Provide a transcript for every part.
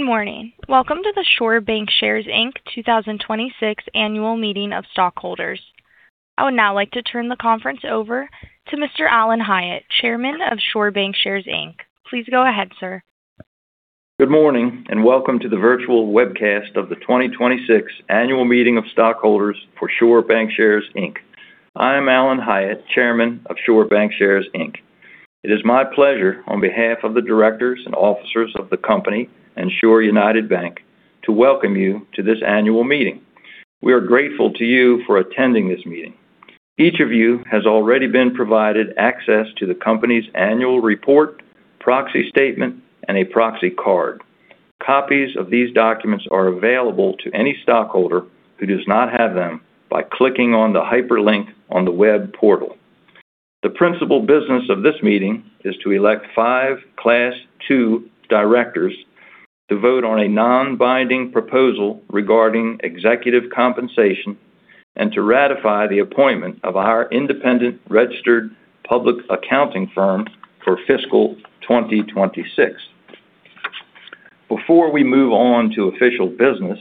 Good morning. Welcome to the Shore Bancshares, Inc. 2026 Annual Meeting of Stockholders. I would now like to turn the conference over to Mr. Alan Hyatt, Chairman of Shore Bancshares, Inc. Please go ahead, sir. Good morning, and welcome to the virtual webcast of the 2026 Annual Meeting of Stockholders for Shore Bancshares, Inc. I am Alan Hyatt, Chairman of Shore Bancshares, Inc. It is my pleasure, on behalf of the directors and officers of the company and Shore United Bank, to welcome you to this annual meeting. We are grateful to you for attending this meeting. Each of you has already been provided access to the company's annual report, proxy statement, and a proxy card. Copies of these documents are available to any stockholder who does not have them by clicking on the hyperlink on the web portal. The principal business of this meeting is to elect five Class II directors to vote on a non-binding proposal regarding executive compensation and to ratify the appointment of our independent registered public accounting firm for fiscal 2026. Before we move on to official business,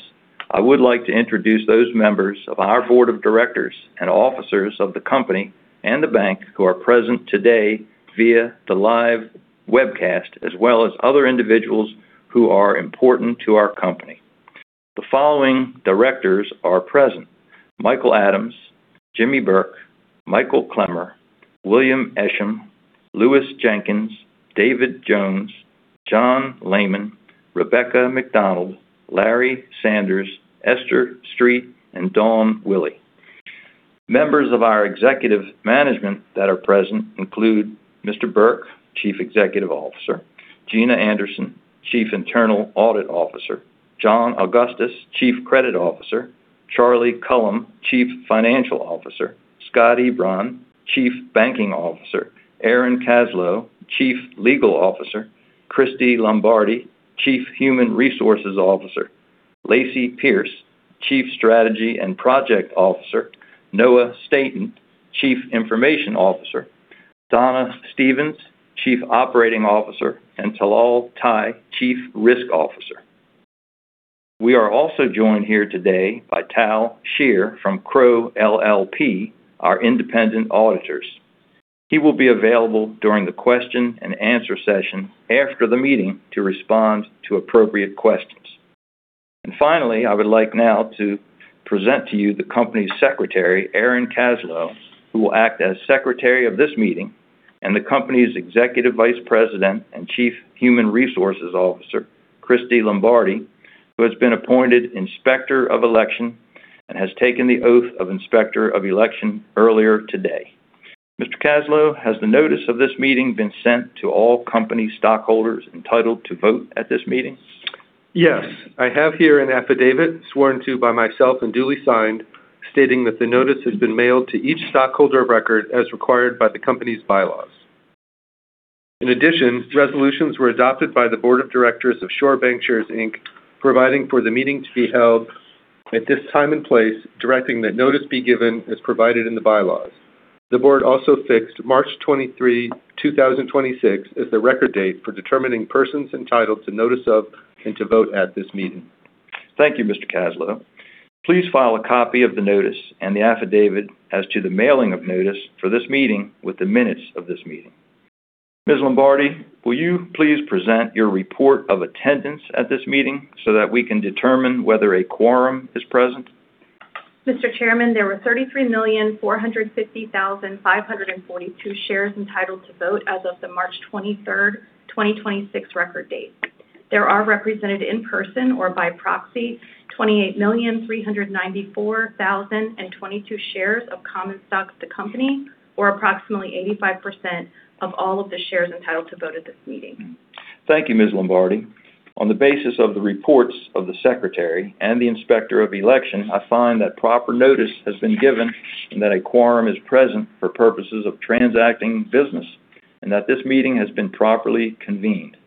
I would like to introduce those members of our board of directors and officers of the company and the bank who are present today via the live webcast, as well as other individuals who are important to our company. The following directors are present: Michael Adams, Jimmy Burke, Michael Clemmer, William Esham, Louis Jenkins, David Jones, John Lamon, Rebecca McDonald, Larry Sanders, Esther Streete, and Dawn Willey. Members of our executive management that are present include Mr. Burke, Chief Executive Officer; Gina Anderson, Chief Internal Audit Officer; John Augustus, Chief Credit Officer; Charlie Cullum, Chief Financial Officer; Scot Ebron, Chief Banking Officer; Aaron Kaslow, Chief Legal Officer; Christy Lombardi, Chief Human Resources Officer; Lacey Pierce, Chief Strategy and Project Officer; Noah Stayton, Chief Information Officer; Donna J. Stevens, Chief Operating Officer; and Talal Tay, Chief Risk Officer. We are also joined here today by Tal Scheer from Crowe LLP, our independent auditors. He will be available during the question and answer session after the meeting to respond to appropriate questions. Finally, I would like now to present to you the Company's Secretary, Aaron Kaslow, who will act as Secretary of this meeting, and the Company's Executive Vice President and Chief Human Resources Officer, Christy Lombardi, who has been appointed Inspector of Election and has taken the oath of Inspector of Election earlier today. Mr. Kaslow, has the notice of this meeting been sent to all Company stockholders entitled to vote at this meeting? Yes. I have here an affidavit sworn to by myself and duly signed, stating that the notice has been mailed to each stockholder of record as required by the company's bylaws. In addition, resolutions were adopted by the Board of Directors of Shore Bancshares, Inc. providing for the meeting to be held at this time and place, directing that notice be given as provided in the bylaws. The board also fixed March 23, 2026, as the record date for determining persons entitled to notice of and to vote at this meeting. Thank you, Mr. Kaslow. Please file a copy of the notice and the affidavit as to the mailing of notice for this meeting with the minutes of this meeting. Ms. Lombardi, will you please present your report of attendance at this meeting so that we can determine whether a quorum is present? Mr. Chairman, there were 33,450,542 shares entitled to vote as of the March 23rd, 2026 record date. There are represented in person or by proxy 28,394,022 shares of common stock of the company, or approximately 85% of all of the shares entitled to vote at this meeting. Thank you, Ms. Lombardi. On the basis of the reports of the Secretary and the Inspector of Election, I find that proper notice has been given and that a quorum is present for purposes of transacting business, and that this meeting has been properly convened.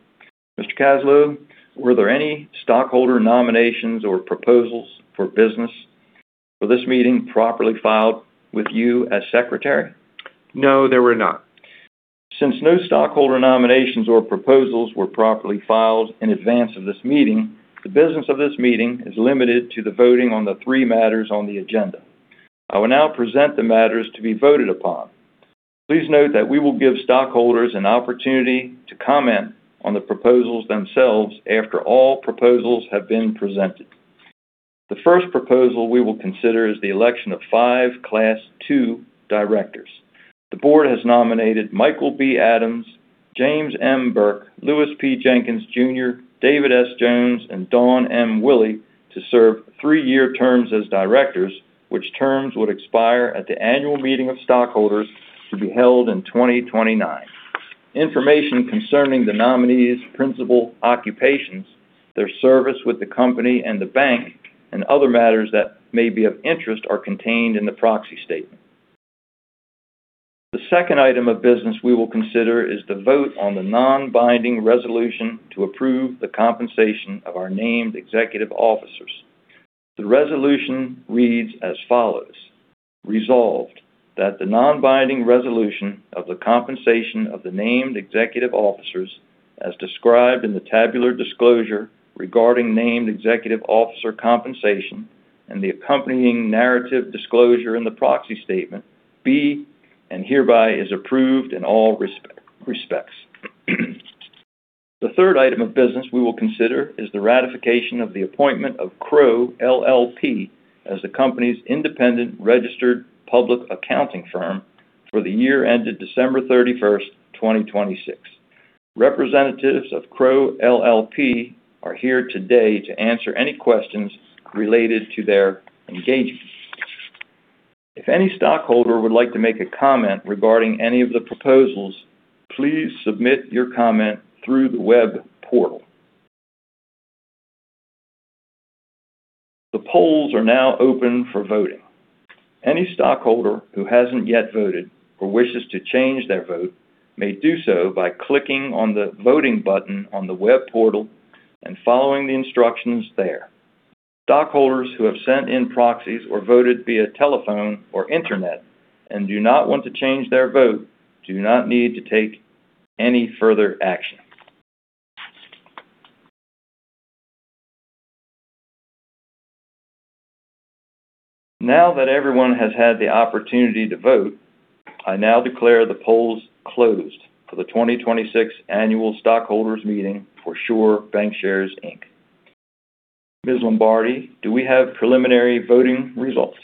Mr. Kaslow, were there any stockholder nominations or proposals for business for this meeting properly filed with you as Secretary? No, there were not. Since no stockholder nominations or proposals were properly filed in advance of this meeting, the business of this meeting is limited to the voting on the three matters on the agenda. I will now present the matters to be voted upon. Please note that we will give stockholders an opportunity to comment on the proposals themselves after all proposals have been presented. The first proposal we will consider is the election of five Class II directors. The board has nominated Michael B. Adams, James M. Burke, Louis P. Jenkins, Jr., David S. Jones, and Dawn M. Willey to serve three-year terms as directors, which terms would expire at the annual meeting of stockholders to be held in 2029. Information concerning the nominees' principal occupations, their service with the company and the bank, and other matters that may be of interest are contained in the proxy statement. The second item of business we will consider is the vote on the non-binding resolution to approve the compensation of our named executive officers. The resolution reads as follows; Resolved that the non-binding resolution of the compensation of the named executive officers as described in the tabular disclosure regarding named executive officer compensation and the accompanying narrative disclosure in the proxy statement be, and hereby is approved in all respects. The third item of business we will consider is the ratification of the appointment of Crowe LLP as the company's independent registered public accounting firm for the year ended December 31st, 2026. Representatives of Crowe LLP are here today to answer any questions related to their engagement. If any stockholder would like to make a comment regarding any of the proposals, please submit your comment through the web portal. The polls are now open for voting. Any stockholder who hasn't yet voted or wishes to change their vote may do so by clicking on the voting button on the web portal and following the instructions there. Stockholders who have sent in proxies or voted via telephone or internet and do not want to change their vote do not need to take any further action. Now that everyone has had the opportunity to vote, I now declare the polls closed for the 2026 Annual Stockholders' Meeting for Shore Bancshares, Inc. Ms. Lombardi, do we have preliminary voting results?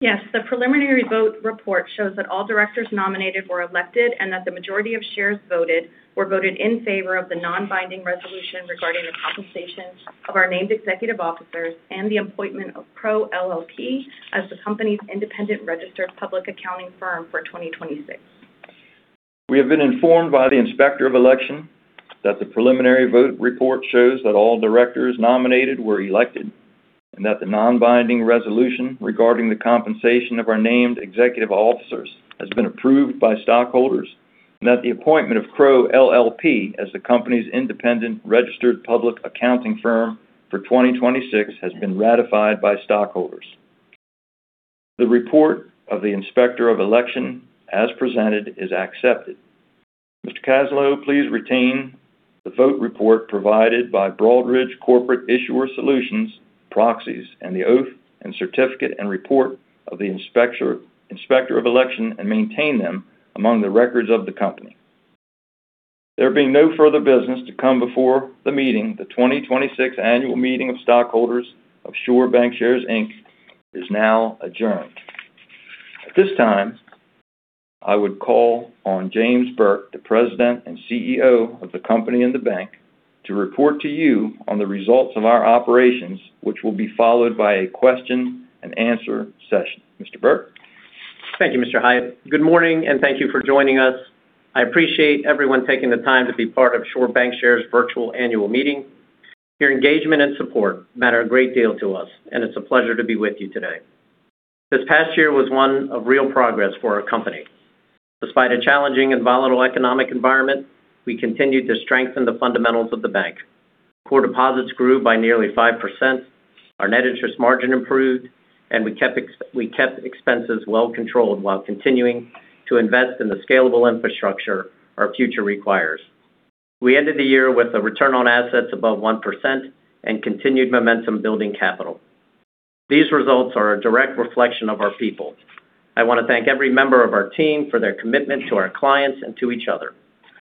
Yes. The preliminary vote report shows that all directors nominated were elected and that the majority of shares voted were voted in favor of the non-binding resolution regarding the compensation of our named executive officers and the appointment of Crowe LLP as the company's independent registered public accounting firm for 2026. We have been informed by the Inspector of Election that the preliminary vote report shows that all directors nominated were elected, and that the non-binding resolution regarding the compensation of our named executive officers has been approved by stockholders, and that the appointment of Crowe LLP as the company's independent registered public accounting firm for 2026 has been ratified by stockholders. The report of the Inspector of Election, as presented, is accepted. Mr. Kaslow, please retain the vote report provided by Broadridge Corporate Issuer Solutions proxies and the oath and certificate and report of the Inspector of Election and maintain them among the records of the company. There being no further business to come before the meeting, the 2026 Annual Meeting of Stockholders of Shore Bancshares, Inc. is now adjourned. At this time, I would call on James Burke, the President and CEO of the company and the bank, to report to you on the results of our operations, which will be followed by a question-and-answer session. Mr. Burke? Thank you, Mr. Hyatt. Good morning, and thank you for joining us. I appreciate everyone taking the time to be part of Shore Bancshares Virtual Annual Meeting. Your engagement and support matter a great deal to us, and it's a pleasure to be with you today. This past year was one of real progress for our company. Despite a challenging and volatile economic environment, we continued to strengthen the fundamentals of the bank. Core deposits grew by nearly 5%, our net interest margin improved, and we kept expenses well controlled while continuing to invest in the scalable infrastructure our future requires. We ended the year with a return on assets above 1% and continued momentum building capital. These results are a direct reflection of our people. I want to thank every member of our team for their commitment to our clients and to each other.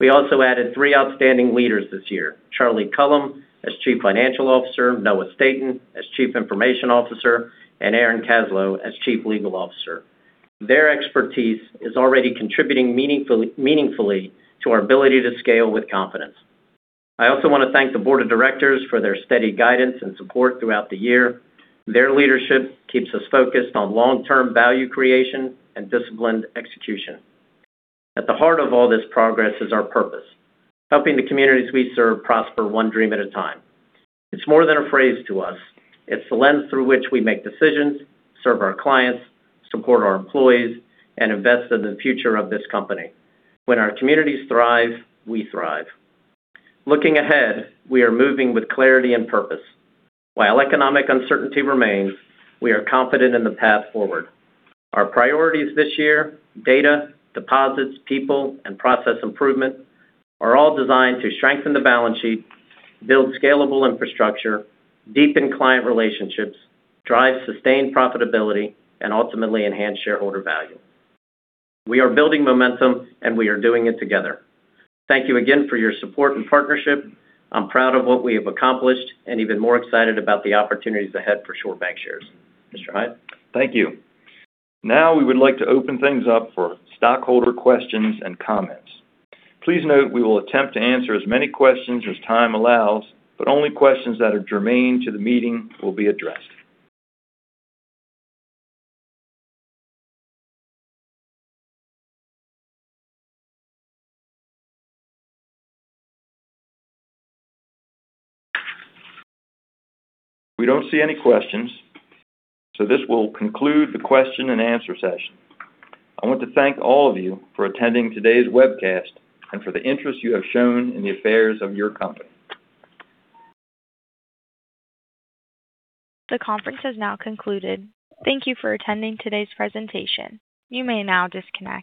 We also added three outstanding leaders this year, Charlie Cullum as Chief Financial Officer, Noah Stayton as Chief Information Officer, and Aaron Kaslow as Chief Legal Officer. Their expertise is already contributing meaningfully to our ability to scale with confidence. I also want to thank the Board of Directors for their steady guidance and support throughout the year. Their leadership keeps us focused on long-term value creation and disciplined execution. At the heart of all this progress is our purpose, helping the communities we serve prosper one dream at a time. It's more than a phrase to us. It's the lens through which we make decisions, serve our clients, support our employees, and invest in the future of this company. When our communities thrive, we thrive. Looking ahead, we are moving with clarity and purpose. While economic uncertainty remains, we are confident in the path forward. Our priorities this year, data, deposits, people, and process improvement, are all designed to strengthen the balance sheet, build scalable infrastructure, deepen client relationships, drive sustained profitability, and ultimately enhance shareholder value. We are building momentum, and we are doing it together. Thank you again for your support and partnership. I'm proud of what we have accomplished and even more excited about the opportunities ahead for Shore Bancshares. Mr. Hyatt? Thank you. Now, we would like to open things up for stockholder questions and comments. Please note we will attempt to answer as many questions as time allows, but only questions that are germane to the meeting will be addressed. We don't see any questions, so this will conclude the question-and-answer session. I want to thank all of you for attending today's webcast and for the interest you have shown in the affairs of your company. The conference has now concluded. Thank you for attending today's presentation. You may now disconnect.